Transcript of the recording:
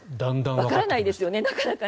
わからないですよね。